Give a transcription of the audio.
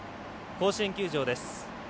甲子園球場です。